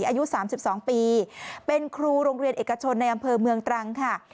อายุ๓๒ปีเป็นครูโรงเรียนเอกชนในอำเภอเมืองตรังค่ะ